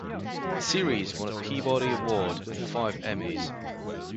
The series won a Peabody Award and five Emmys.